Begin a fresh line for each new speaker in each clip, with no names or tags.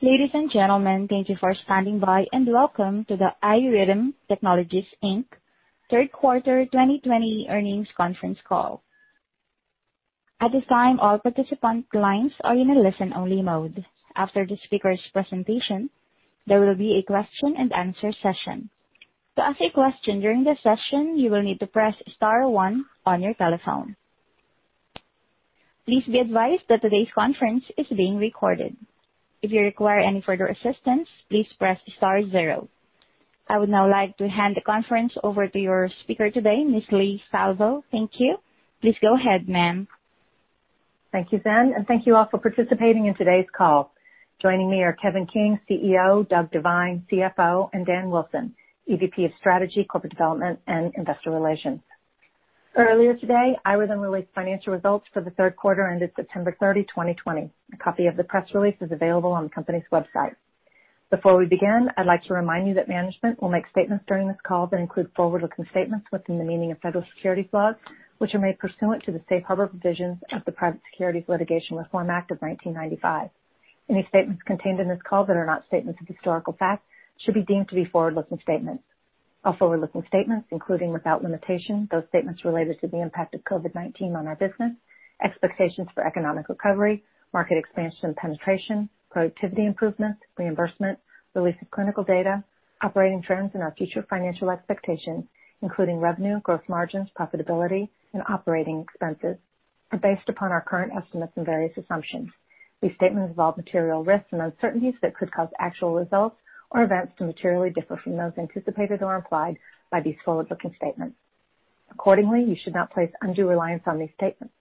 Ladies and gentlemen, thank you for standing by, and welcome to the iRhythm Technologies, Inc third quarter 2020 earnings conference call. At this time, all participant lines are in a listen-only mode. After the speakers' presentation, there will be a question-and-answer session. To ask a question during the session, you will need to press star one on your telephone. Please be advised that today's conference is being recorded. If you require any further assistance, please press star zero. I would now like to hand the conference over to your speaker today, Ms. Leigh Salvo. Thank you. Please go ahead, ma'am.
Thank you, Zen, and thank you all for participating in today's call. Joining me are Kevin King, CEO, Doug Devine, CFO, and Dan Wilson, EVP of Strategy, Corporate Development, and Investor Relations. Earlier today, iRhythm released financial results for the third quarter ended September 30, 2020. A copy of the press release is available on the company's website. Before we begin, I'd like to remind you that management will make statements during this call that include forward-looking statements within the meaning of federal securities laws, which are made pursuant to the safe harbor provisions of the Private Securities Litigation Reform Act of 1995. Any statements contained in this call that are not statements of historical fact should be deemed to be forward-looking statements. Our forward-looking statements, including without limitation, those statements related to the impact of COVID-19 on our business, expectations for economic recovery, market expansion and penetration, productivity improvement, reimbursement, release of clinical data, operating trends, and our future financial expectations, including revenue, growth margins, profitability, and operating expenses, are based upon our current estimates and various assumptions. These statements involve material risks and uncertainties that could cause actual results or events to materially differ from those anticipated or implied by these forward-looking statements. Accordingly, you should not place undue reliance on these statements.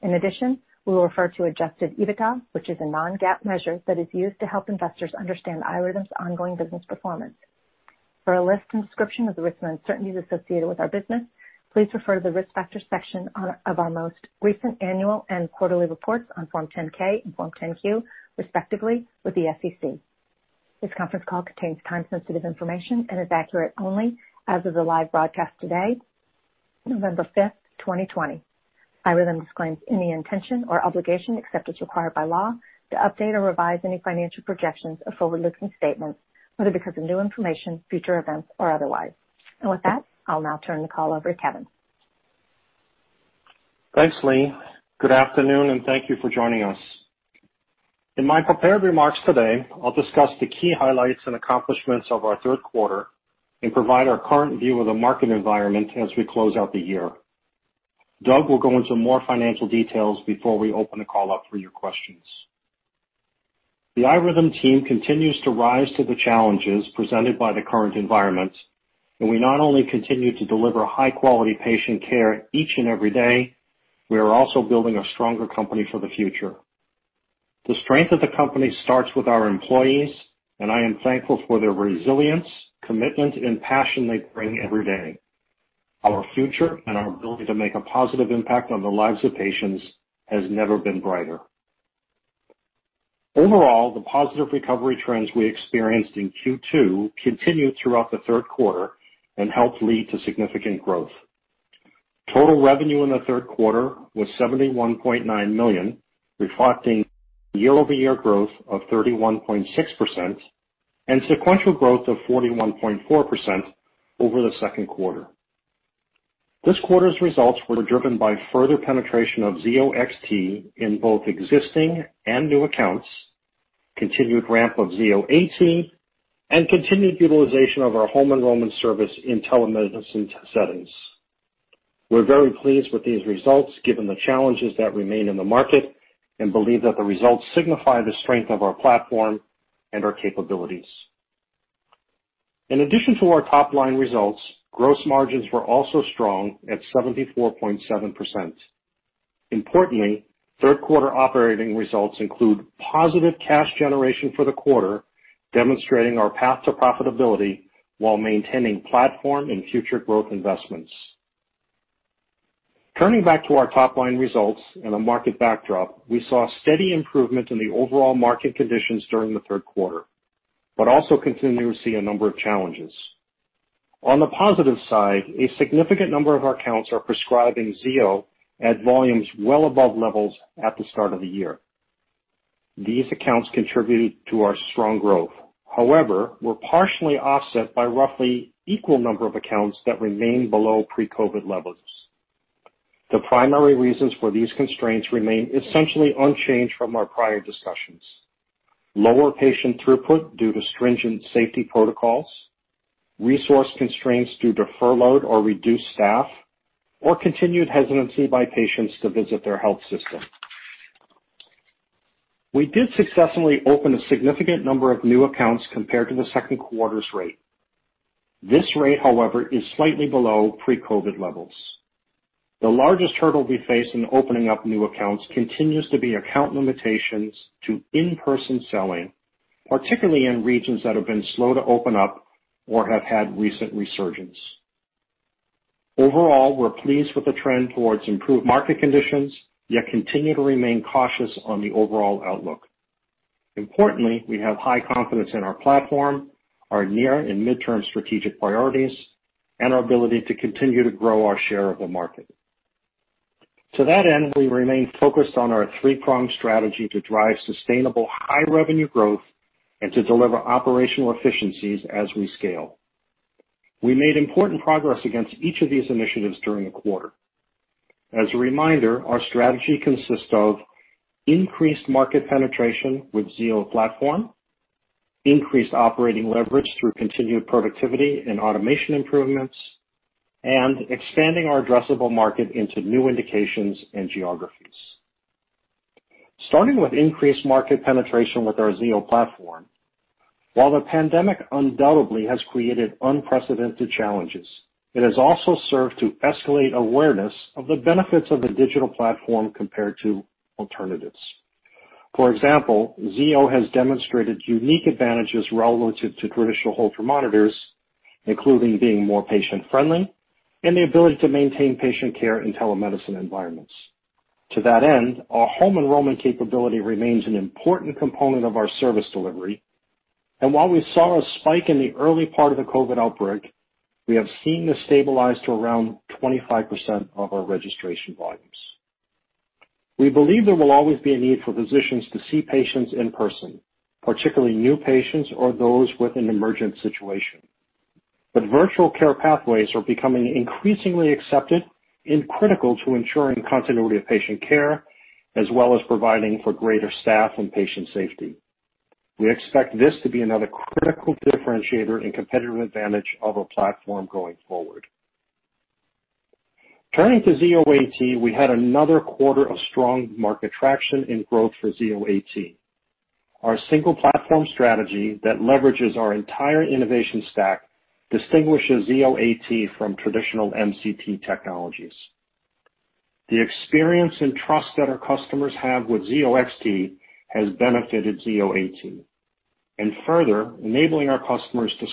In addition, we will refer to adjusted EBITDA, which is a non-GAAP measure that is used to help investors understand iRhythm's ongoing business performance. For a list and description of the risks and uncertainties associated with our business, please refer to the Risk Factors section of our most recent annual and quarterly reports on Form 10-K and Form 10-Q, respectively, with the SEC. This conference call contains time-sensitive information and is accurate only as of the live broadcast today, November 5th, 2020. iRhythm disclaims any intention or obligation, except as required by law, to update or revise any financial projections of forward-looking statements, whether because of new information, future events, or otherwise. With that, I'll now turn the call over to Kevin.
Thanks, Leigh. Good afternoon, and thank you for joining us. In my prepared remarks today, I'll discuss the key highlights and accomplishments of our third quarter and provide our current view of the market environment as we close out the year. Doug will go into more financial details before we open the call up for your questions. The iRhythm team continues to rise to the challenges presented by the current environment, and we not only continue to deliver high-quality patient care each and every day, we are also building a stronger company for the future. The strength of the company starts with our employees, and I am thankful for their resilience, commitment, and passion they bring every day. Our future and our ability to make a positive impact on the lives of patients has never been brighter. Overall, the positive recovery trends we experienced in Q2 continued throughout the third quarter and helped lead to significant growth. Total revenue in the third quarter was $71.9 million, reflecting year-over-year growth of 31.6% and sequential growth of 41.4% over the second quarter. This quarter's results were driven by further penetration of Zio XT in both existing and new accounts, continued ramp of Zio AT, and continued utilization of our home enrollment service in telemedicine settings. We're very pleased with these results given the challenges that remain in the market and believe that the results signify the strength of our platform and our capabilities. In addition to our top-line results, gross margins were also strong at 74.7%. Importantly, third quarter operating results include positive cash generation for the quarter, demonstrating our path to profitability while maintaining platform and future growth investments. Turning back to our top-line results and the market backdrop, we saw steady improvement in the overall market conditions during the third quarter, but also continue to see a number of challenges. On the positive side, a significant number of our accounts are prescribing Zio at volumes well above levels at the start of the year. These accounts contributed to our strong growth. However, were partially offset by roughly equal number of accounts that remain below pre-COVID levels. The primary reasons for these constraints remain essentially unchanged from our prior discussions. Lower patient throughput due to stringent safety protocols, resource constraints due to furloughed or reduced staff, or continued hesitancy by patients to visit their health system. We did successfully open a significant number of new accounts compared to the second quarter's rate. This rate, however, is slightly below pre-COVID levels. The largest hurdle we face in opening up new accounts continues to be account limitations to in-person selling, particularly in regions that have been slow to open up or have had recent resurgence. Overall, we're pleased with the trend towards improved market conditions, yet continue to remain cautious on the overall outlook. Importantly, we have high confidence in our platform, our near and midterm strategic priorities, and our ability to continue to grow our share of the market. To that end, we remain focused on our three-pronged strategy to drive sustainable high revenue growth and to deliver operational efficiencies as we scale. We made important progress against each of these initiatives during the quarter. As a reminder, our strategy consists of increased market penetration with Zio platform, increased operating leverage through continued productivity and automation improvements, and expanding our addressable market into new indications and geographies. Starting with increased market penetration with our Zio platform. While the pandemic undoubtedly has created unprecedented challenges, it has also served to escalate awareness of the benefits of the digital platform compared to alternatives. For example, Zio has demonstrated unique advantages relative to traditional Holter monitors, including being more patient-friendly and the ability to maintain patient care in telemedicine environments. To that end, our home enrollment capability remains an important component of our service delivery. While we saw a spike in the early part of the COVID outbreak, we have seen this stabilize to around 25% of our registration volumes. We believe there will always be a need for physicians to see patients in person, particularly new patients or those with an emergent situation. Virtual care pathways are becoming increasingly accepted and critical to ensuring continuity of patient care as well as providing for greater staff and patient safety. We expect this to be another critical differentiator and competitive advantage of our platform going forward. Turning to Zio AT, we had another quarter of strong market traction and growth for Zio AT. Our single platform strategy that leverages our entire innovation stack distinguishes Zio AT from traditional MCT technologies. The experience and trust that our customers have with Zio XT has benefited Zio AT, and further enabling our customers to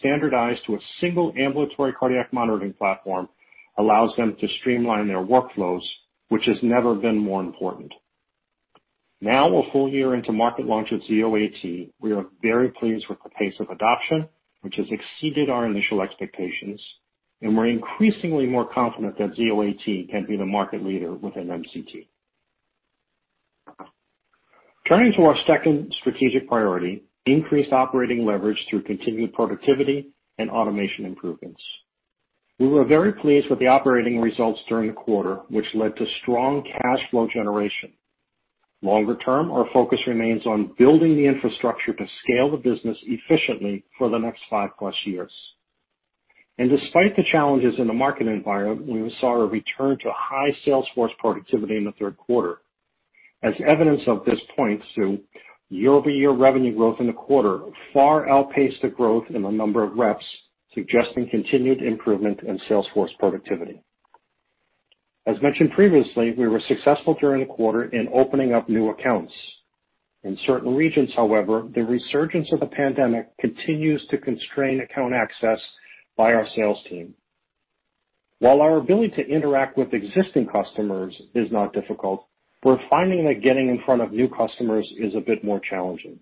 standardize to a single ambulatory cardiac monitoring platform allows them to streamline their workflows, which has never been more important. A full year into market launch of Zio AT, we are very pleased with the pace of adoption, which has exceeded our initial expectations, and we're increasingly more confident that Zio AT can be the market leader within MCT. Turning to our second strategic priority, increased operating leverage through continued productivity and automation improvements. We were very pleased with the operating results during the quarter, which led to strong cash flow generation. Longer term, our focus remains on building the infrastructure to scale the business efficiently for the next five-plus years. Despite the challenges in the market environment, we saw a return to high sales force productivity in the third quarter. As evidence of this points to year-over-year revenue growth in the quarter far outpaced the growth in the number of reps, suggesting continued improvement in sales force productivity. As mentioned previously, we were successful during the quarter in opening up new accounts. In certain regions, however, the resurgence of the pandemic continues to constrain account access by our sales team. While our ability to interact with existing customers is not difficult, we're finding that getting in front of new customers is a bit more challenging.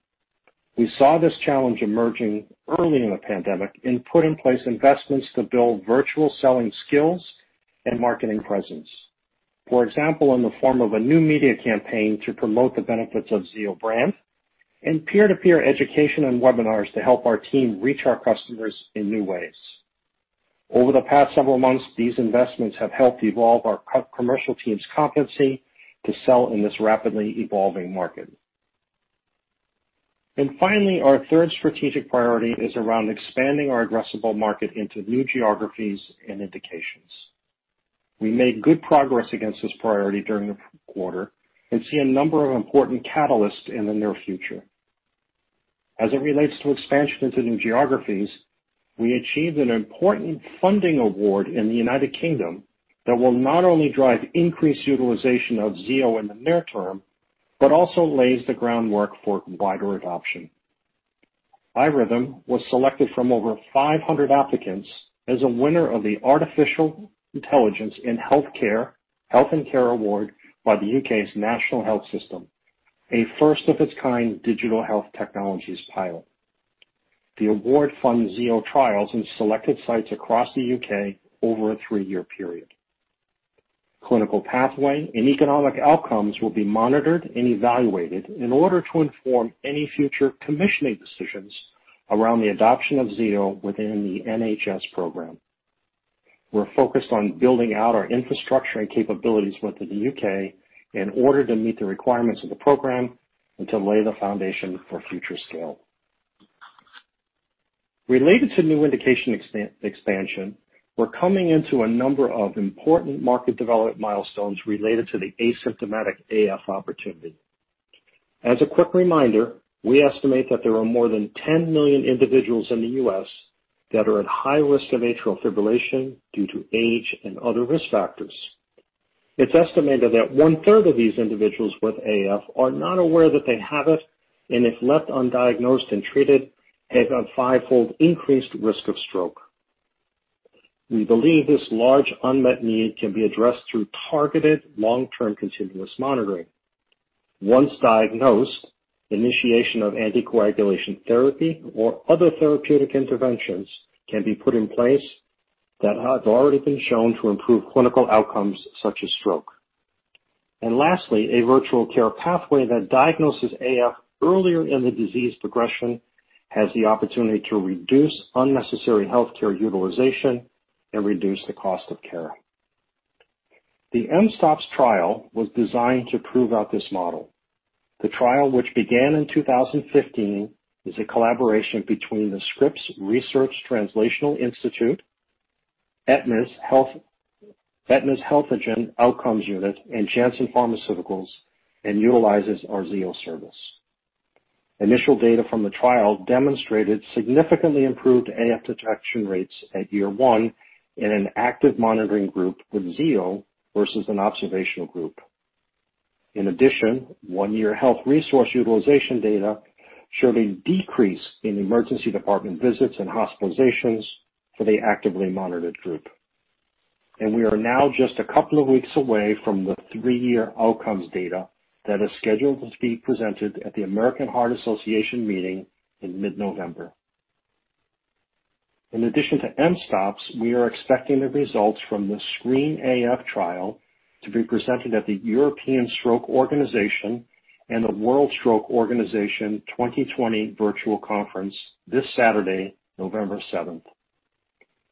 We saw this challenge emerging early in the pandemic and put in place investments to build virtual selling skills and marketing presence. For example, in the form of a new media campaign to promote the benefits of Zio brand and peer-to-peer education and webinars to help our team reach our customers in new ways. Over the past several months, these investments have helped evolve our commercial team's competency to sell in this rapidly evolving market. Finally, our third strategic priority is around expanding our addressable market into new geographies and indications. We made good progress against this priority during the quarter and see a number of important catalysts in the near future. As it relates to expansion into new geographies, we achieved an important funding award in the U.K. that will not only drive increased utilization of Zio in the near term, but also lays the groundwork for wider adoption, iRhythm was selected from over 500 applicants as a winner of the Artificial Intelligence in Health and Care Award by the U.K.'s National Health Service, a first-of-its-kind digital health technologies pilot. The award funds Zio trials in selected sites across the U.K. over a three-year period. Clinical pathway and economic outcomes will be monitored and evaluated in order to inform any future commissioning decisions around the adoption of Zio within the NHS program. We're focused on building out our infrastructure and capabilities within the U.K. in order to meet the requirements of the program and to lay the foundation for future scale. Related to new indication expansion, we're coming into a number of important market development milestones related to the asymptomatic AF opportunity. As a quick reminder, we estimate that there are more than 10 million individuals in the U.S. that are at high risk of atrial fibrillation due to age and other risk factors. It's estimated that one-third of these individuals with AF are not aware that they have it, and if left undiagnosed and treated, have a five-fold increased risk of stroke. We believe this large unmet need can be addressed through targeted long-term continuous monitoring. Once diagnosed, initiation of anticoagulation therapy or other therapeutic interventions can be put in place that have already been shown to improve clinical outcomes such as stroke. Lastly, a virtual care pathway that diagnoses AF earlier in the disease progression has the opportunity to reduce unnecessary healthcare utilization and reduce the cost of care. The mSToPS trial was designed to prove out this model. The trial, which began in 2015, is a collaboration between the Scripps Research Translational Institute, Aetna's Healthagen Outcomes Unit, and Janssen Pharmaceuticals, and utilizes our Zio service. Initial data from the trial demonstrated significantly improved AF detection rates at year one in an active monitoring group with Zio versus an observational group. In addition, one-year health resource utilization data showed a decrease in emergency department visits and hospitalizations for the actively monitored group. We are now just a couple of weeks away from the three-year outcomes data that is scheduled to be presented at the American Heart Association meeting in mid-November. In addition to mSToPS, we are expecting the results from the SCREEN-AF trial to be presented at the European Stroke Organisation and the World Stroke Organization 2020 virtual conference this Saturday, November 7th.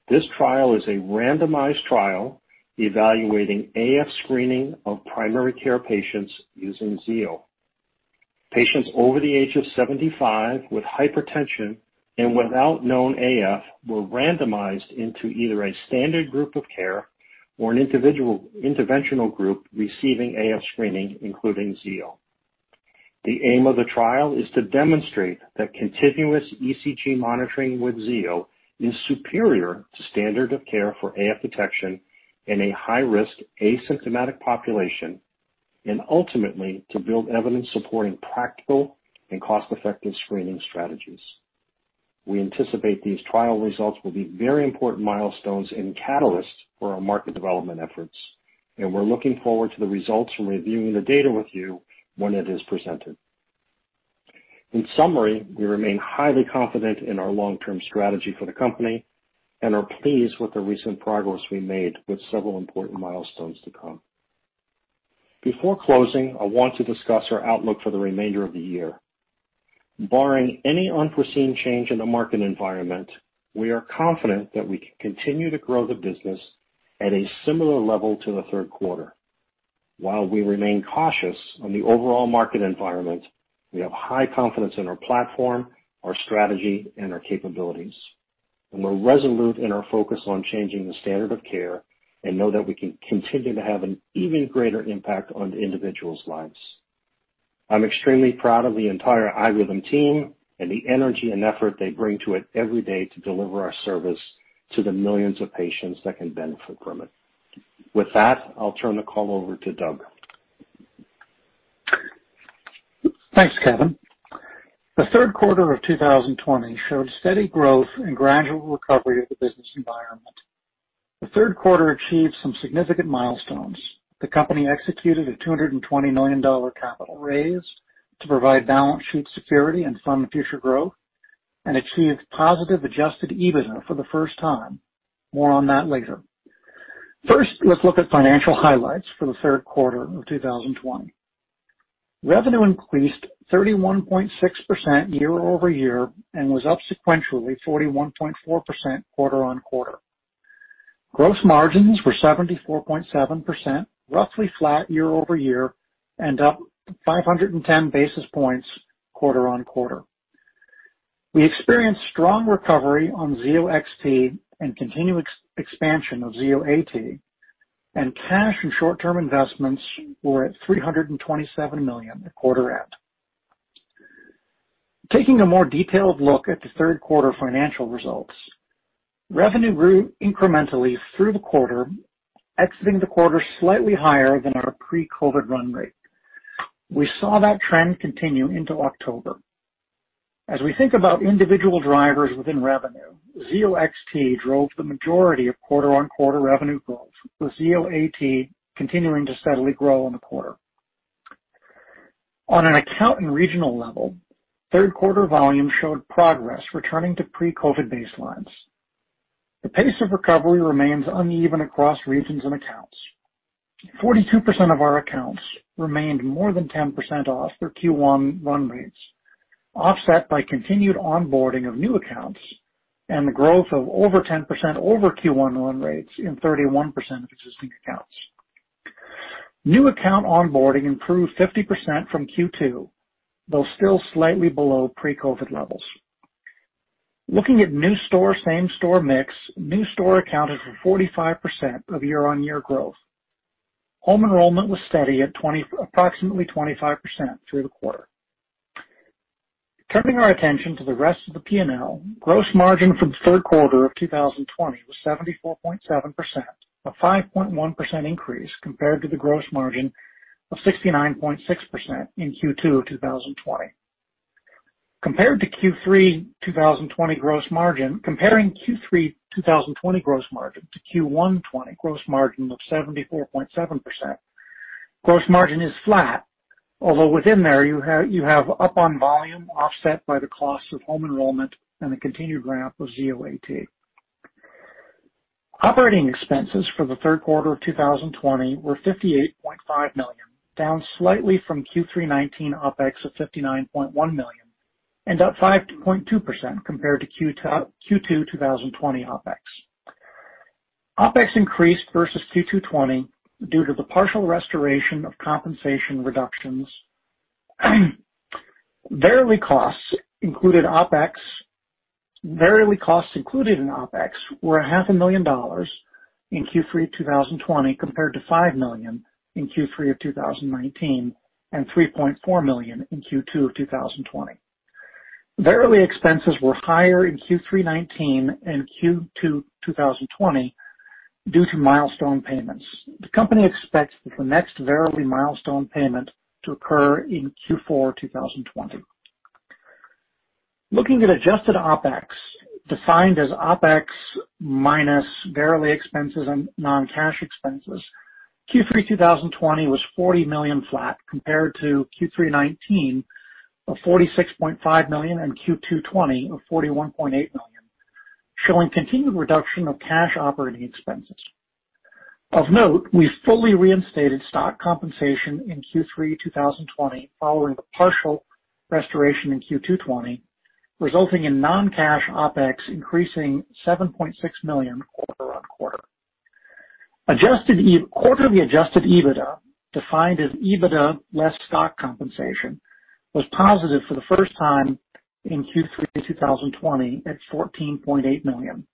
This trial is a randomized trial evaluating AF screening of primary care patients using Zio. Patients over the age of 75 with hypertension and without known AF were randomized into either a standard group of care or an interventional group receiving AF screening, including Zio. The aim of the trial is to demonstrate that continuous ECG monitoring with Zio is superior to standard of care for AF detection in a high-risk, asymptomatic population, and ultimately, to build evidence supporting practical and cost-effective screening strategies. We anticipate these trial results will be very important milestones and catalysts for our market development efforts, and we're looking forward to the results and reviewing the data with you when it is presented. In summary, we remain highly confident in our long-term strategy for the company and are pleased with the recent progress we made with several important milestones to come. Before closing, I want to discuss our outlook for the remainder of the year. Barring any unforeseen change in the market environment, we are confident that we can continue to grow the business at a similar level to the third quarter. While we remain cautious on the overall market environment, we have high confidence in our platform, our strategy, and our capabilities. We're resolute in our focus on changing the standard of care and know that we can continue to have an even greater impact on individuals' lives. I'm extremely proud of the entire iRhythm team and the energy and effort they bring to it every day to deliver our service to the millions of patients that can benefit from it. With that, I'll turn the call over to Doug.
Thanks, Kevin. The third quarter of 2020 showed steady growth and gradual recovery of the business environment. The third quarter achieved some significant milestones. The company executed a $220 million capital raise to provide balance sheet security and fund future growth and achieved positive adjusted EBITDA for the first time. More on that later. First, let's look at financial highlights for the third quarter of 2020. Revenue increased 31.6% year-over-year and was up sequentially 41.4% quarter-over-quarter. Gross margins were 74.7%, roughly flat year-over-year, and up 510 basis points quarter-over-quarter. We experienced strong recovery on Zio XT and continued expansion of Zio AT, and cash and short-term investments were at $327 million at quarter end. Taking a more detailed look at the third quarter financial results, revenue grew incrementally through the quarter, exiting the quarter slightly higher than our pre-COVID run rate. We saw that trend continue into October. As we think about individual drivers within revenue, Zio XT drove the majority of quarter-over-quarter revenue growth, with Zio AT continuing to steadily grow in the quarter. On an account and regional level, third quarter volume showed progress returning to pre-COVID baselines. The pace of recovery remains uneven across regions and accounts. 42% of our accounts remained more than 10% off their Q1 run rates, offset by continued onboarding of new accounts and the growth of over 10% over Q1 run rates in 31% of existing accounts. New account onboarding improved 50% from Q2, though still slightly below pre-COVID levels. Looking at new store/same store mix, new store accounted for 45% of year-over-year growth. Home enrollment was steady at approximately 25% through the quarter. Turning our attention to the rest of the P&L, gross margin for the third quarter of 2020 was 74.7%, a 5.1% increase compared to the gross margin of 69.6% in Q2 of 2020. Compared to Q3 2020 gross margin, comparing Q3 2020 gross margin to Q1 '20 gross margin of 74.7%, gross margin is flat. Although within there, you have up on volume offset by the cost of home enrollment and the continued ramp of Zio AT. Operating expenses for the third quarter of 2020 were $58.5 million, down slightly from Q3 2019 OpEx of $59.1 million and up 5.2% compared to Q2 2020 OpEx. OpEx increased versus Q2 2020 due to the partial restoration of compensation reductions. Variable costs included in OpEx were a half a million dollars in Q3 2020 compared to $5 million in Q3 of 2019 and $3.4 million in Q2 of 2020. Variable expenses were higher in Q3 2019 and Q2 2020 due to milestone payments. The company expects the next variable milestone payment to occur in Q4 2020. Looking at adjusted OpEx, defined as OpEx minus variable expenses and non-cash expenses, Q3 2020 was $40 million flat compared to Q3 2019 of $46.5 million and Q2 2020 of $41.8 million, showing continued reduction of cash operating expenses. Of note, we fully reinstated stock compensation in Q3 2020 following the partial restoration in Q2 2020, resulting in non-cash OpEx increasing $7.6 million quarter on quarter. Quarterly adjusted EBITDA, defined as EBITDA less stock compensation, was positive for the first time in Q3 2020 at $14.8 million.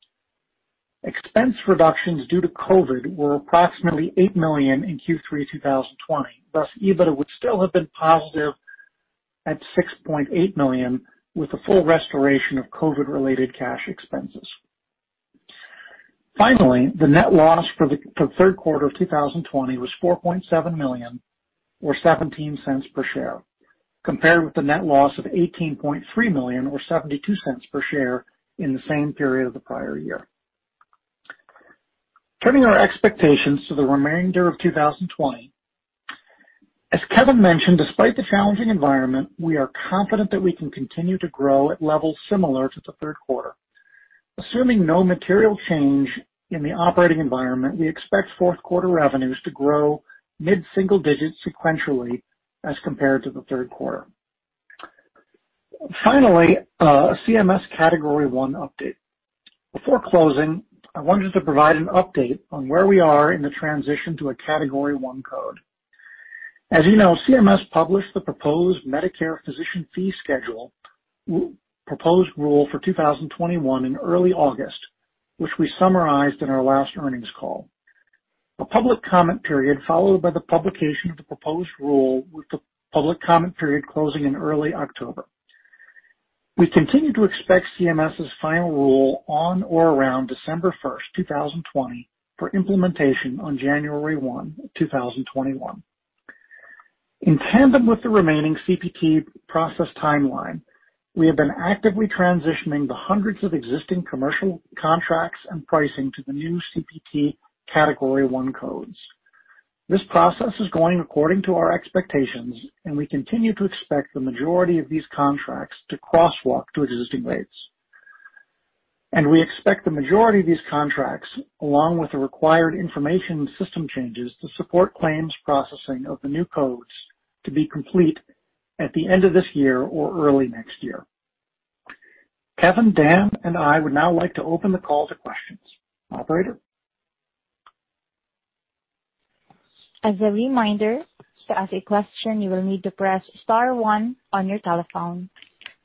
Expense reductions due to COVID were approximately eight million in Q3 2020. Thus, EBITDA would still have been positive at $6.8 million with the full restoration of COVID related cash expenses. The net loss for the third quarter of 2020 was $4.7 million or $0.17 per share, compared with the net loss of $18.3 million or $0.72 per share in the same period of the prior year. Turning our expectations to the remainder of 2020. As Kevin mentioned, despite the challenging environment, we are confident that we can continue to grow at levels similar to the third quarter. Assuming no material change in the operating environment, we expect fourth quarter revenues to grow mid-single digits sequentially as compared to the third quarter. CMS Category One update. Before closing, I wanted to provide an update on where we are in the transition to a Category One code. As you know, CMS published the proposed Medicare physician fee schedule proposed rule for 2021 in early August, which we summarized in our last earnings call. A public comment period followed by the publication of the proposed rule, with the public comment period closing in early October. We continue to expect CMS's final rule on or around December 1st, 2020, for implementation on January 1, 2021. In tandem with the remaining CPT process timeline, we have been actively transitioning the hundreds of existing commercial contracts and pricing to the new CPT Category I codes. This process is going according to our expectations, and we continue to expect the majority of these contracts to crosswalk to existing rates. We expect the majority of these contracts, along with the required information and system changes to support claims processing of the new codes, to be complete at the end of this year or early next year. Kevin, Dan, and I would now like to open the call to questions. Operator?
As a reminder, to ask a question, you will need to press star one on your telephone.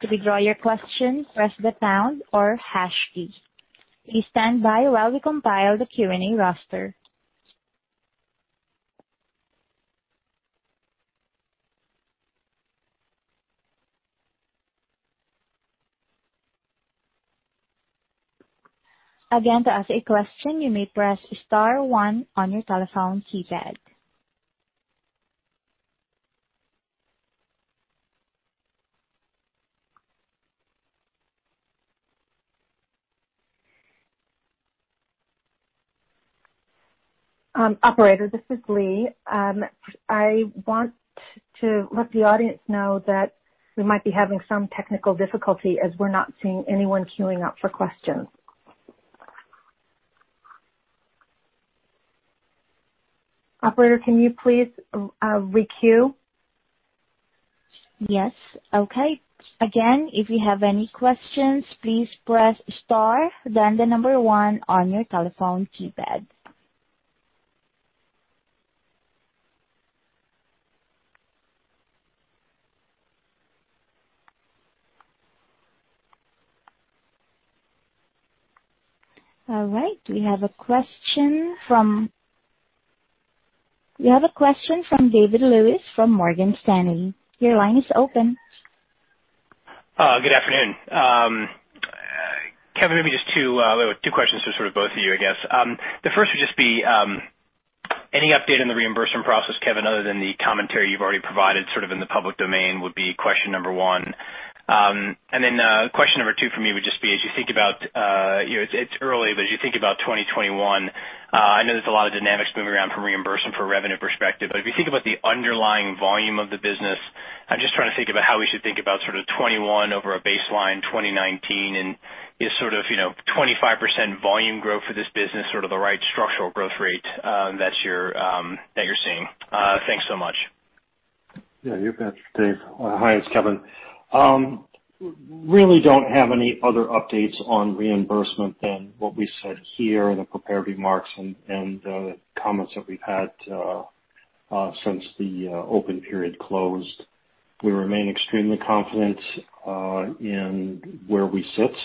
To withdraw your question, press the pound or hash key. Please stand by while we compile the Q&A roster. Again, to ask a question, you may press star one on your telephone keypad.
Operator, this is Leigh. I want to let the audience know that we might be having some technical difficulty as we're not seeing anyone queuing up for questions. Operator, can you please re-queue?
Yes. Okay. Again, if you have any questions, please press star then the number one on your telephone keypad. All right. We have a question from David Lewis, from Morgan Stanley. Your line is open.
Good afternoon. Kevin, maybe just two questions for both of you, I guess. The first would just be any update on the reimbursement process, Kevin, other than the commentary you've already provided in the public domain, would be question number one. Question number two for me would just be as you think about, it's early, but as you think about 2021, I know there's a lot of dynamics moving around from reimbursement from a revenue perspective. If you think about the underlying volume of the business, I'm just trying to think about how we should think about '21 over a baseline 2019, and is 25% volume growth for this business the right structural growth rate that you're seeing? Thanks so much.
Yeah, you bet, Dave. Hi, it's Kevin. Really don't have any other updates on reimbursement than what we said here in the prepared remarks and the comments that we've had since the open period closed. We remain extremely confident in where we sit.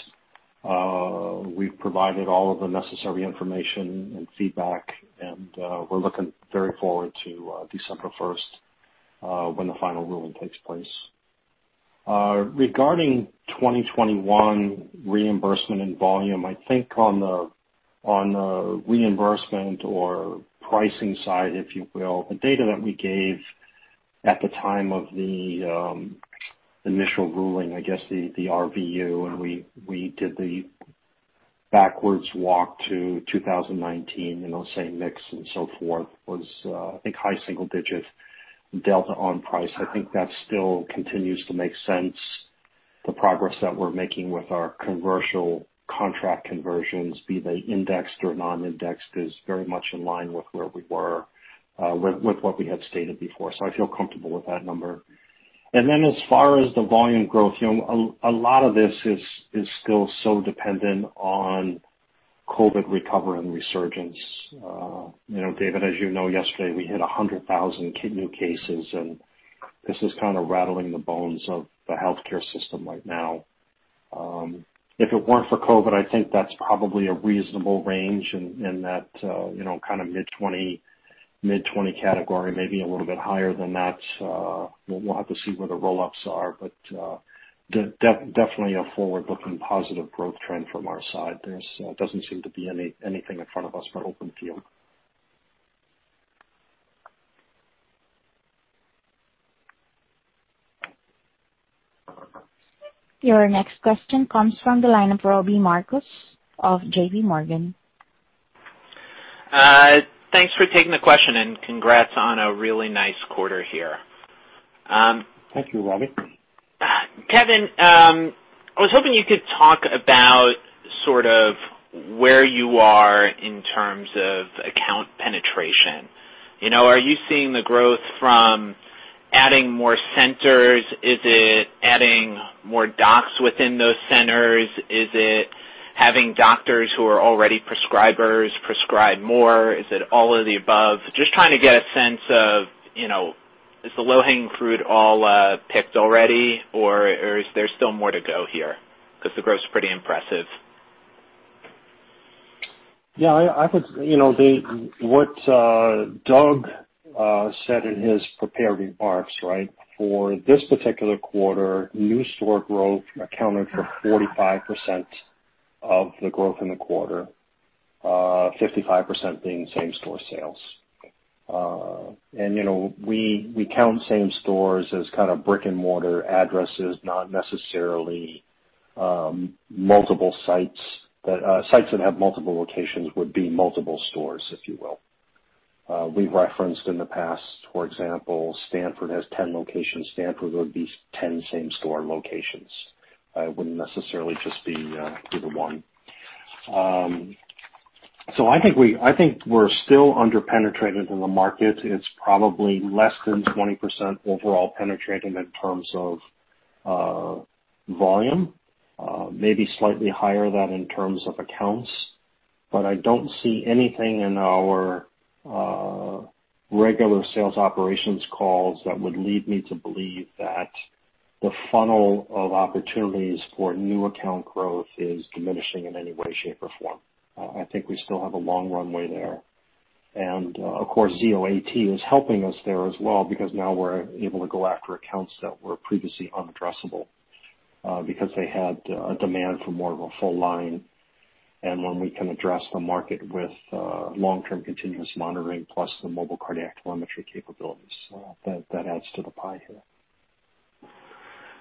We've provided all of the necessary information and feedback, and we're looking very forward to December 1st when the final ruling takes place. Regarding 2021 reimbursement and volume, I think on the reimbursement or pricing side, if you will, the data that we gave at the time of the initial ruling, I guess the RVU, and we did the backwards walk to 2019 and those same mix and so forth was I think high single digits delta on price. I think that still continues to make sense. The progress that we're making with our commercial contract conversions, be they indexed or non-indexed, is very much in line with where we were with what we had stated before. I feel comfortable with that number. As far as the volume growth, a lot of this is still so dependent on COVID recovery and resurgence. David, as you know, yesterday we hit 100,000 new cases, and this is kind of rattling the bones of the healthcare system right now. If it weren't for COVID, I think that's probably a reasonable range in that mid-20 category, maybe a little bit higher than that. We'll have to see where the roll-ups are, but definitely a forward-looking positive growth trend from our side. There doesn't seem to be anything in front of us but open field.
Your next question comes from the line of Robbie Marcus of JPMorgan.
Thanks for taking the question and congrats on a really nice quarter here.
Thank you, Robbie.
Kevin, I was hoping you could talk about sort of where you are in terms of account penetration. Are you seeing the growth from adding more centers? Is it adding more docs within those centers? Is it having doctors who are already prescribers prescribe more? Is it all of the above? Just trying to get a sense of, is the low-hanging fruit all picked already, or is there still more to go here? Because the growth is pretty impressive.
Yeah, I would say what Doug said in his prepared remarks. For this particular quarter, new store growth accounted for 45% of the growth in the quarter, 55% being same-store sales. We count same stores as kind of brick and mortar addresses, not necessarily multiple sites. Sites that have multiple locations would be multiple stores, if you will. We've referenced in the past, for example, Stanford has 10 locations. Stanford would be 10 same-store locations. It wouldn't necessarily just be the one. I think we're still under-penetrated in the market. It's probably less than 20% overall penetrating in terms of volume. Maybe slightly higher than that in terms of accounts. I don't see anything in our regular sales operations calls that would lead me to believe that the funnel of opportunities for new account growth is diminishing in any way, shape, or form. I think we still have a long runway there. Of course, Zio AT is helping us there as well because now we're able to go after accounts that were previously unaddressable because they had a demand for more of a full line. When we can address the market with long-term continuous monitoring plus the mobile cardiac telemetry capabilities, that adds to the pie here.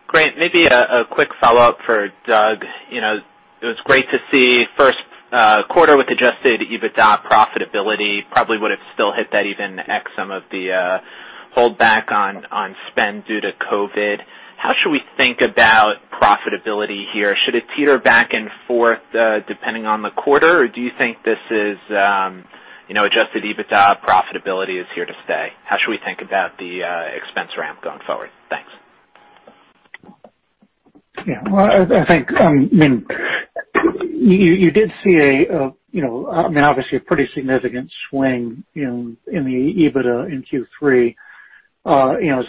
Great. Maybe a quick follow-up for Doug. It was great to see first quarter with adjusted EBITDA profitability. Probably would have still hit that even ex some of the holdback on spend due to COVID. How should we think about profitability here? Should it teeter back and forth depending on the quarter, or do you think this is adjusted EBITDA profitability is here to stay? How should we think about the expense ramp going forward? Thanks.
Yeah. Well, I think you did see obviously a pretty significant swing in the EBITDA in Q3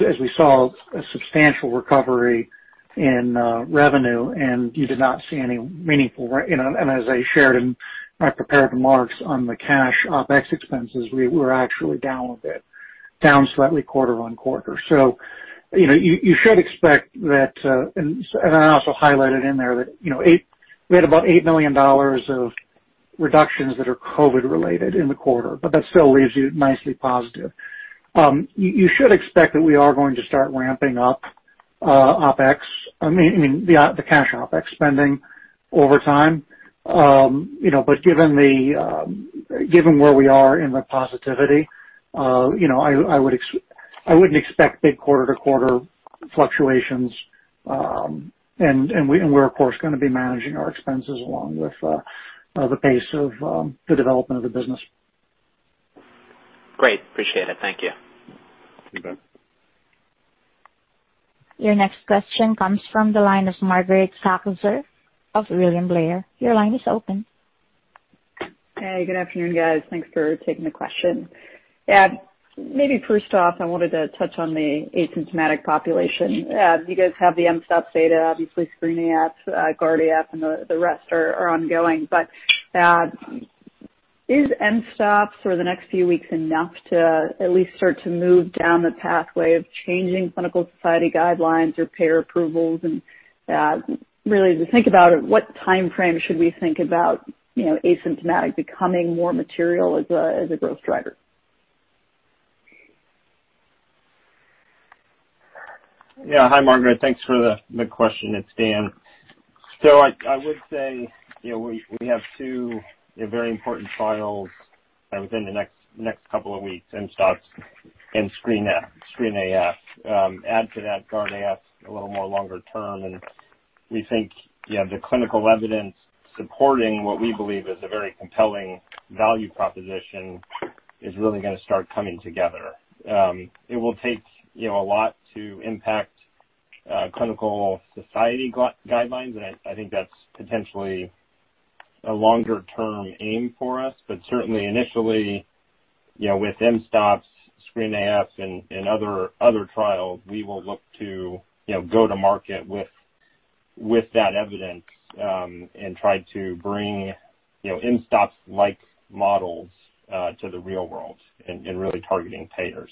as we saw a substantial recovery in revenue, and you did not see any meaningful, and as I shared in my prepared remarks on the cash OpEx expenses, we were actually down a bit. Down slightly quarter on quarter. You should expect that, and I also highlighted in there that we had about $8 million of reductions that are COVID related in the quarter, but that still leaves you nicely positive. You should expect that we are going to start ramping up OpEx, the cash OpEx spending over time. Given where we are in the positivity, I wouldn't expect big quarter to quarter fluctuations. We're of course, going to be managing our expenses along with the pace of the development of the business.
Great. Appreciate it. Thank you.
Your next question comes from the line of Margaret Kaczor of William Blair. Your line is open.
Hey, good afternoon, guys. Thanks for taking the question. Maybe first off, I wanted to touch on the asymptomatic population. You guys have the mSToPS data, obviously SCREEN-AF, GUARD-AF, and the rest are ongoing. Is mSToPS for the next few weeks enough to at least start to move down the pathway of changing clinical society guidelines or payer approvals? Really to think about it, what timeframe should we think about asymptomatic becoming more material as a growth driver?
Yeah. Hi, Margaret. Thanks for the question. It's Dan. I would say we have two very important trials within the next couple of weeks, mSToPS and SCREEN-AF. Add to that GUARD-AF a little more longer term, and we think the clinical evidence supporting what we believe is a very compelling value proposition is really going to start coming together. It will take a lot to impact clinical society guidelines, and I think that's potentially a longer-term aim for us. Certainly initially, with mSToPS, SCREEN-AF, and other trials, we will look to go to market with that evidence, and try to bring mSToPS-like models to the real world in really targeting payers.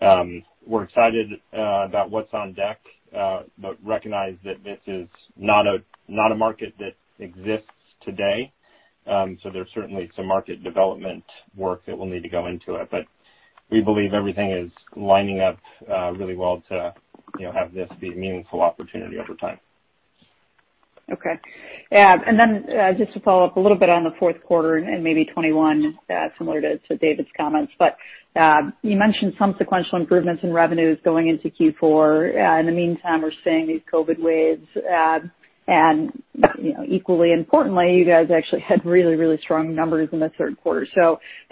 We're excited about what's on deck, but recognize that this is not a market that exists today. There's certainly some market development work that will need to go into it, but we believe everything is lining up really well to have this be a meaningful opportunity over time.
Okay. Just to follow up a little bit on the fourth quarter and maybe 2021, similar to David's comments. You mentioned some sequential improvements in revenues going into Q4. In the meantime, we're seeing these COVID waves. Equally importantly, you guys actually had really, really strong numbers in the third quarter.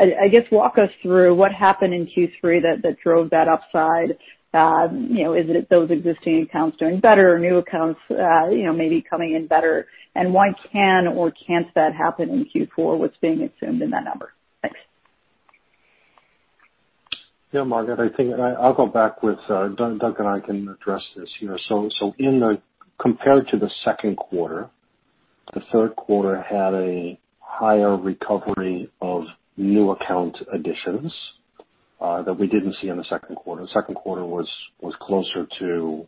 I guess walk us through what happened in Q3 that drove that upside. Is it those existing accounts doing better or new accounts maybe coming in better? Why can or can't that happen in Q4? What's being assumed in that number? Thanks.
Yeah, Margaret, I think I'll go back with, Doug and I can address this here. Compared to the second quarter, the third quarter had a higher recovery of new account additions that we didn't see in the second quarter. The second quarter was closer to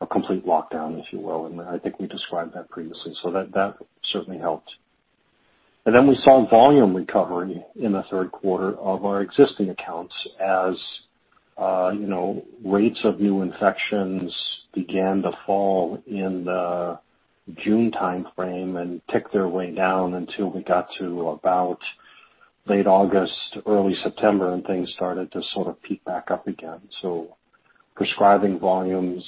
a complete lockdown, if you will, and I think we described that previously. That certainly helped. We saw volume recovery in the third quarter of our existing accounts as rates of new infections began to fall in the June timeframe and tick their way down until we got to about late August, early September, and things started to sort of peak back up again. Prescribing volumes,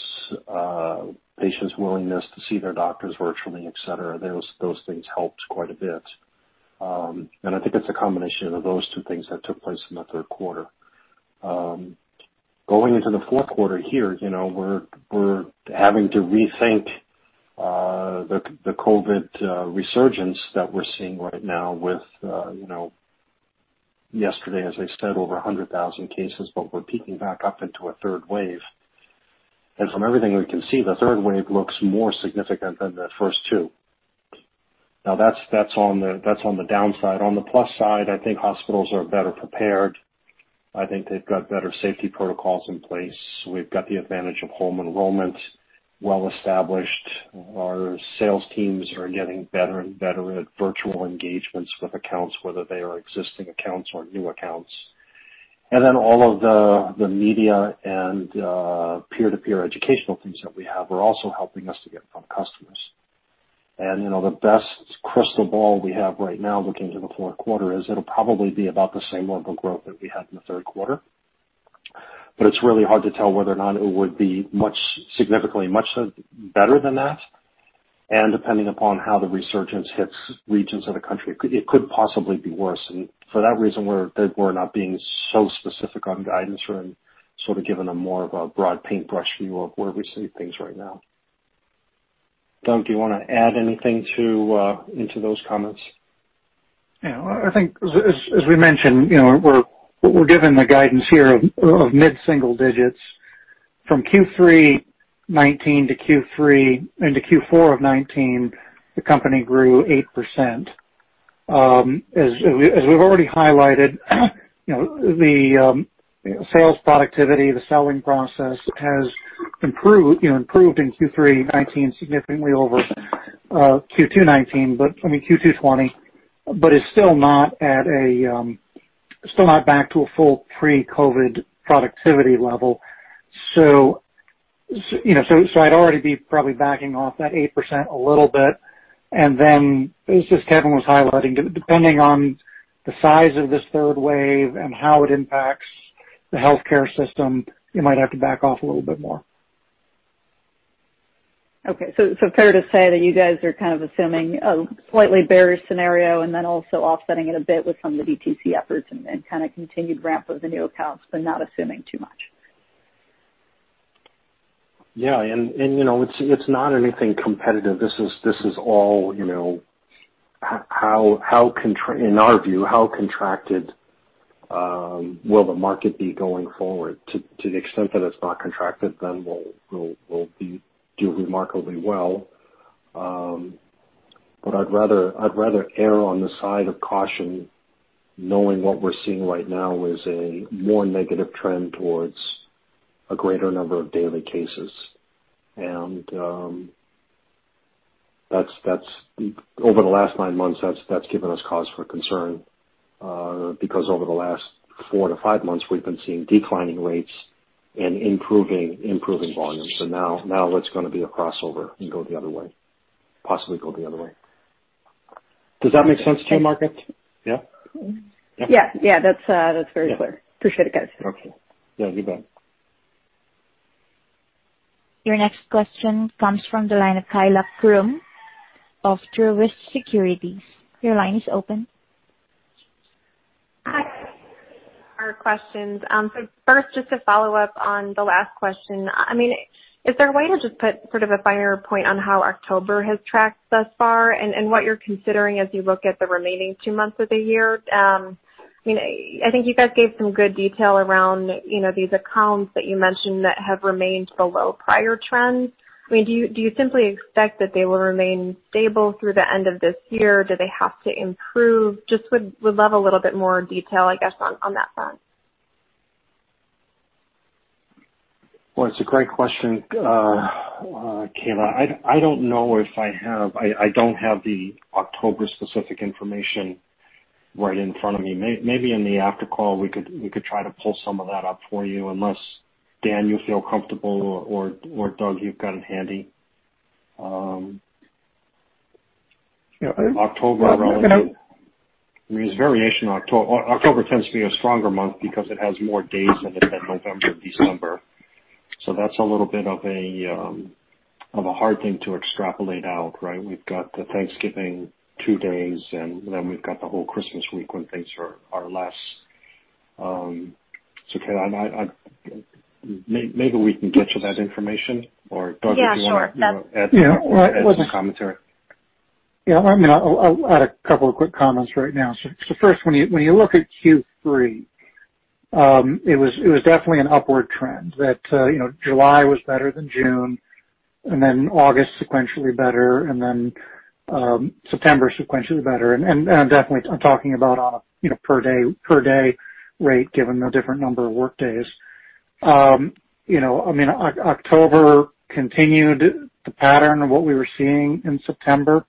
patients' willingness to see their doctors virtually, et cetera, those things helped quite a bit. I think it's a combination of those two things that took place in the third quarter. Going into the fourth quarter here, we're having to rethink the COVID resurgence that we're seeing right now with, yesterday, as I said, over 100,000 cases, but we're peaking back up into a third wave. From everything we can see, the third wave looks more significant than the first two. Now, that's on the downside. On the plus side, I think hospitals are better prepared. I think they've got better safety protocols in place. We've got the advantage of home enrollment well established. Our sales teams are getting better and better at virtual engagements with accounts, whether they are existing accounts or new accounts. Then all of the media and peer-to-peer educational things that we have are also helping us to get in front of customers. The best crystal ball we have right now looking into the fourth quarter is it'll probably be about the same level of growth that we had in the third quarter. It's really hard to tell whether or not it would be significantly much better than that. Depending upon how the resurgence hits regions of the country, it could possibly be worse. For that reason, we're not being so specific on guidance and sort of giving a more of a broad paintbrush view of where we see things right now. Doug, do you want to add anything into those comments?
Yeah, I think as we mentioned, we're giving the guidance here of mid-single digits. From Q3 2019 into Q4 of 2019, the company grew 8%. As we've already highlighted, the sales productivity, the selling process has improved in Q3 2019 significantly over Q2 2020, but is still not back to a full pre-COVID productivity level. I'd already be probably backing off that 8% a little bit. As just Kevin was highlighting, depending on the size of this third wave and how it impacts the healthcare system, you might have to back off a little bit more.
Okay. Fair to say that you guys are kind of assuming a slightly bearish scenario, and then also offsetting it a bit with some of the DTC efforts and kind of continued ramp of the new accounts, but not assuming too much.
Yeah. it's not anything competitive. This is all in our view, how contracted will the market be going forward? To the extent that it's not contracted, then we'll do remarkably well. I'd rather err on the side of caution knowing what we're seeing right now is a more negative trend towards a greater number of daily cases. over the last nine months, that's given us cause for concern, because over the last four to five months, we've been seeing declining rates and improving volumes. now it's going to be a crossover and go the other way. Possibly go the other way. Does that make sense to you, Margaret? Yeah?
Yeah. That's very clear.
Yeah.
Appreciate it, guys.
Okay. Yeah, you bet.
Your next question comes from the line of Kaila Krum of Truist Securities. Your line is open.
Hi. Thanks for taking our questions. First, just to follow up on the last question. Is there a way to just put sort of a finer point on how October has tracked thus far, and what you're considering as you look at the remaining two months of the year? I think you guys gave some good detail around these accounts that you mentioned that have remained below prior trends. Do you simply expect that they will remain stable through the end of this year? Do they have to improve? Just would love a little bit more detail, I guess, on that front.
Well, it's a great question, Kaila. I don't have the October specific information right in front of me. Maybe in the after call, we could try to pull some of that up for you, unless, Dan, you feel comfortable or Doug, you've got it handy. October tends to be a stronger month because it has more days in it than November, December. That's a little bit of a hard thing to extrapolate out, right? We've got the Thanksgiving two days, and then we've got the whole Christmas week when things are less. Kaila, maybe we can get you that information or Doug, if you want to-
Yeah, sure
add some commentary.
Yeah. I'll add a couple of quick comments right now. First, when you look at Q3, it was definitely an upward trend that July was better than June, and then August sequentially better, and then September sequentially better. Definitely, I'm talking about on a per day rate, given the different number of work days. October continued the pattern of what we were seeing in September.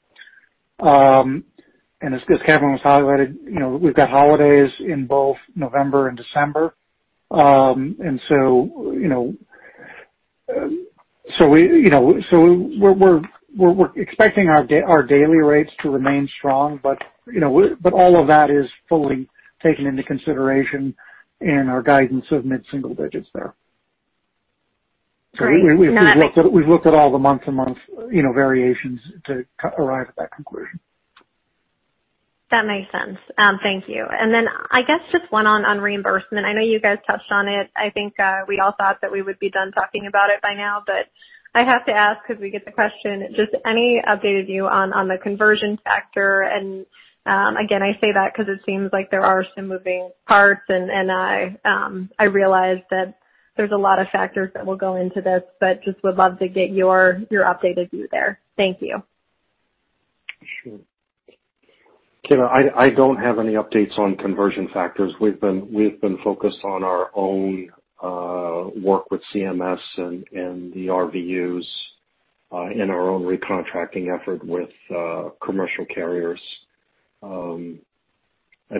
As Kevin was highlighting, we've got holidays in both November and December. We're expecting our daily rates to remain strong, but all of that is fully taken into consideration in our guidance of mid-single digits there.
Great.
We've looked at all the month-to-month variations to arrive at that conclusion.
That makes sense. Thank you. I guess just one on reimbursement. I know you guys touched on it. I think we all thought that we would be done talking about it by now, but I have to ask because we get the question. Just any updated view on the conversion factor and, again, I say that because it seems like there are some moving parts, and I realize that there's a lot of factors that will go into this, but just would love to get your updated view there. Thank you.
Sure. Kaila, I don't have any updates on conversion factors. We've been focused on our own work with CMS and the RVUs, in our own recontracting effort with commercial carriers. I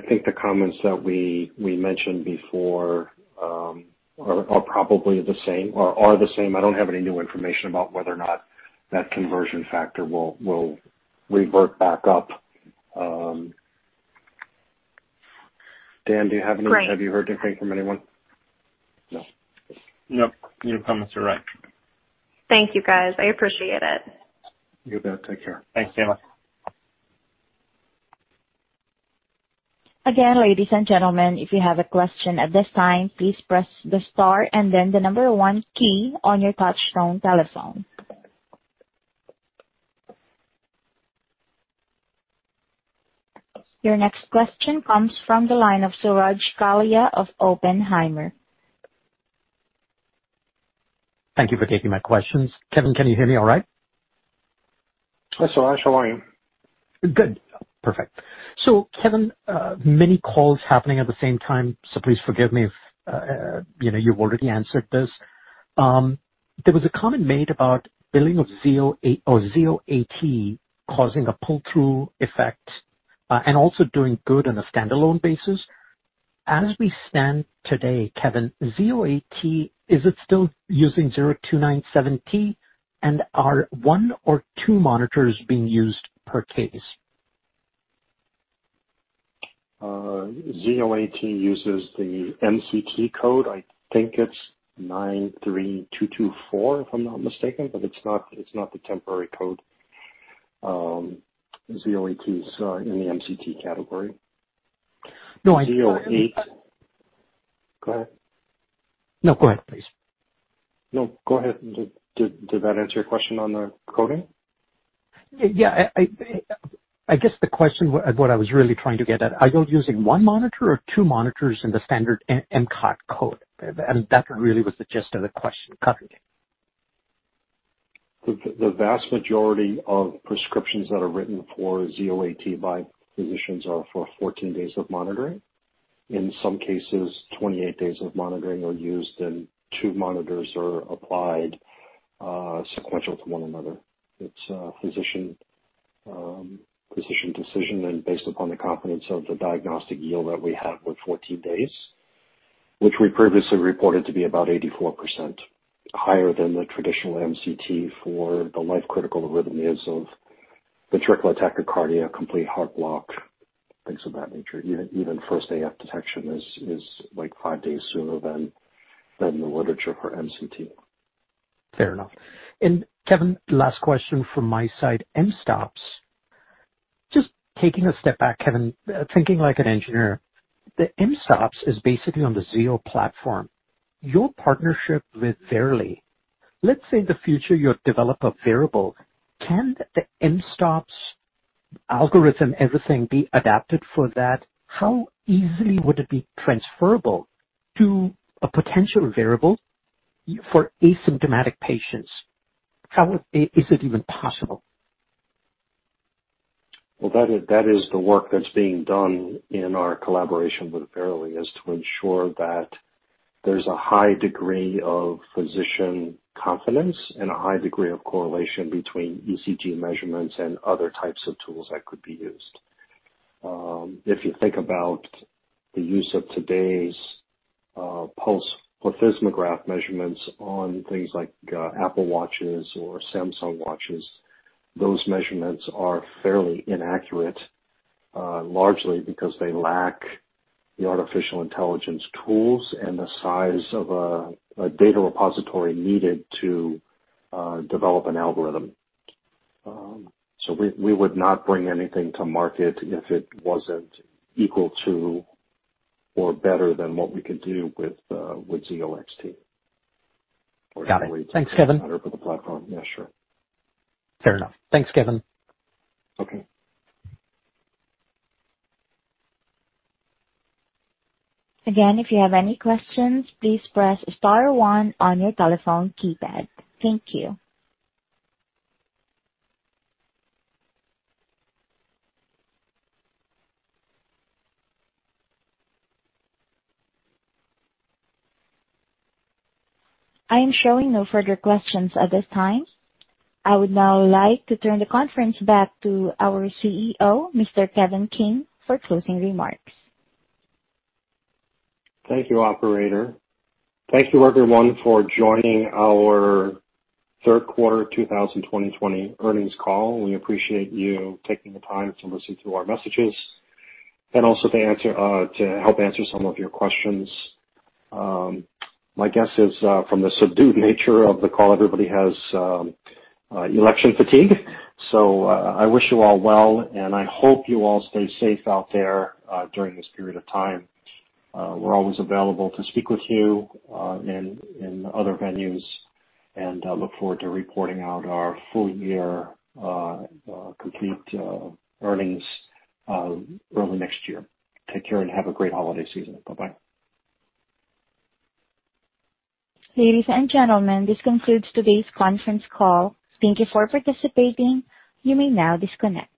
think the comments that we mentioned before are the same. I don't have any new information about whether or not that conversion factor will revert back up. Dan, do you have any?
Great.
Have you heard anything from anyone? No.
No. Your comments are right.
Thank you, guys. I appreciate it.
You bet. Take care.
Thanks, Kaila.
Your next question comes from the line of Suraj Kalia of Oppenheimer.
Thank you for taking my questions. Kevin, can you hear me all right?
Hi, Suraj. How are you?
Good. Perfect. Kevin, many calls happening at the same time, so please forgive me if you've already answered this. There was a comment made about billing of Zio AT causing a pull-through effect, and also doing good on a standalone basis. As we stand today, Kevin, Zio AT, is it still using 0297T, and are one or two monitors being used per case?
Zio AT uses the MCT code. I think it's 93224, if I'm not mistaken. But it's not the temporary code. Zio AT's in the MCT category.
No, I-
Go ahead.
No, go ahead, please.
No, go ahead. Did that answer your question on the coding?
Yeah. I guess the question, what I was really trying to get at, are you using one monitor or two monitors in the standard MCT code? That really was the gist of the question. Copy.
The vast majority of prescriptions that are written for Zio AT by physicians are for 14 days of monitoring. In some cases, 28 days of monitoring are used, and two monitors are applied sequentially to one another. It's a physician decision, and based upon the confidence of the diagnostic yield that we have with 14 days, which we previously reported to be about 84% higher than the traditional MCT for the life-critical arrhythmias of ventricular tachycardia, complete heart block, things of that nature. Even first AF detection is like five days sooner than the literature for MCT.
Fair enough. Kevin, last question from my side. mSToPS. Just taking a step back, Kevin, thinking like an engineer, the mSToPS is basically on the Zio platform. Your partnership with Verily. Let's say in the future, you develop a wearable. Can the mSToPS algorithm, everything, be adapted for that? How easily would it be transferable to a potential wearable for asymptomatic patients? Is it even possible?
Well, that is the work that's being done in our collaboration with Verily, is to ensure that there's a high degree of physician confidence and a high degree of correlation between ECG measurements and other types of tools that could be used. If you think about the use of today's photoplethysmograph measurements on things like Apple Watches or Samsung Watches, those measurements are fairly inaccurate, largely because they lack the artificial intelligence tools and the size of a data repository needed to develop an algorithm. We would not bring anything to market if it wasn't equal to or better than what we could do with Zio XT.
Got it. Thanks, Kevin.
A way to make it better for the platform. Yeah, sure.
Fair enough. Thanks, Kevin.
Okay.
Again if you have any question please press star one on your telephone keypad. I am showing no further questions at this time. I would now like to turn the conference back to our CEO, Mr. Kevin King, for closing remarks.
Thank you, operator. Thank you everyone for joining our third quarter 2020 earnings call. We appreciate you taking the time to listen to our messages and also to help answer some of your questions. My guess is, from the subdued nature of the call, everybody has election fatigue. I wish you all well, and I hope you all stay safe out there during this period of time. We're always available to speak with you in other venues, and I look forward to reporting out our full year complete earnings early next year. Take care and have a great holiday season. Bye-bye.
Ladies and gentlemen, this concludes today's conference call. Thank you for participating. You may now disconnect.